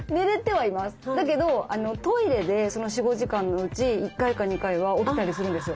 だけどトイレで４５時間のうち１回か２回は起きたりするんですよ。